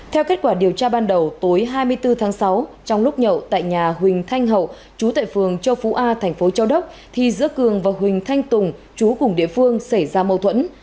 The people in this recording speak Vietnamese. theo kết quả điều tra ban đầu tối hai mươi bốn tháng sáu trong lúc nhậu tại nhà huỳnh thanh hậu chú tại phường châu phú a thành phố châu đốc thì giữa cường và huỳnh thanh tùng chú cùng địa phương xảy ra mâu thuẫn